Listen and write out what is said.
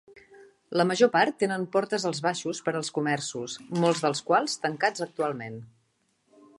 La major part tenen portes als baixos per als comerços, molts dels quals tancats actualment.